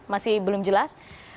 masih belum jelas